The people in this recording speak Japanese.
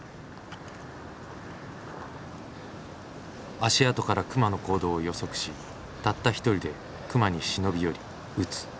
足跡から熊の行動を予測したった一人で熊に忍び寄り撃つ。